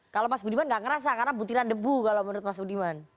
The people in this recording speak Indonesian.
kalau mas budiman nggak ngerasa karena butiran debu kalau menurut mas budiman